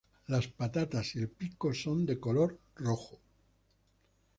Las patas y el pico son de color rojo.